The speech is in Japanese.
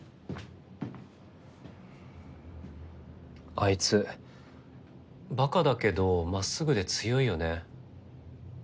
あいつバカだけど真っすぐで強いよね。